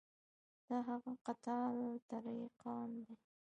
دا هغه قطاع الطریقان دي.